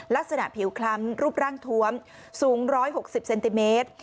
ลักษณะผิวคล้ำรูปร่างทวมสูง๑๖๐เซนติเมตร